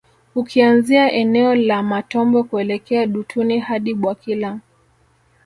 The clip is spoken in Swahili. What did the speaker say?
Ukianzia eneo la Matombo kuelekea Dutuni hadi Bwakila